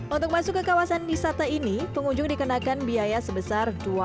untuk masuk ke kawasan wisata ini pengunjung dikenakan biaya sebesar dua puluh ribu rupiah